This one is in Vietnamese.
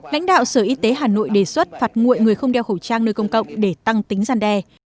lãnh đạo sở y tế hà nội đề xuất phạt nguội người không đeo khẩu trang nơi công cộng để tăng tính gian đe